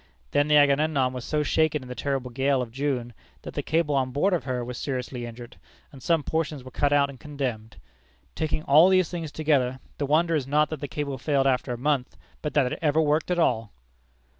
Then the Agamemnon was so shaken in the terrible gale of June, that the cable on board of her was seriously injured, and some portions were cut out and condemned. Taking all these things together, the wonder is, not that the cable failed after a month, but that it ever worked at all!